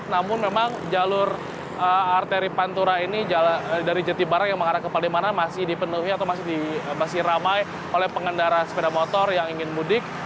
namun memang jalur arteri pantura ini dari jatibarang yang mengarah ke palimanan masih dipenuhi atau masih ramai oleh pengendara sepeda motor yang ingin mudik